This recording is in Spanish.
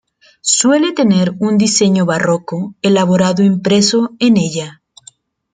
Suele tener un diseño barroco elaborado impreso en ella.